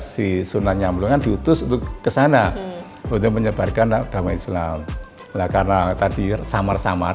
si sunan nyamblongan diutus untuk kesana untuk menyebarkan agama islam nah karena tadi samar samar